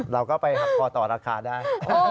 เราก็ไปหักพอต่อราคาได้